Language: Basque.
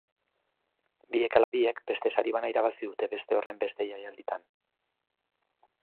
Biek ala biek, beste sari bana irabazi dute beste horrenbeste jaialditan.